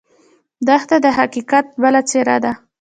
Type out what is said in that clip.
دښته د حقیقت بله څېره ده.